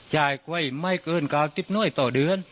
กล้วยไม่เกิน๙๐หน่วยต่อเดือน